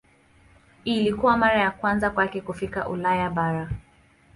Ilikuwa mara ya kwanza kwake kufika Ulaya bara.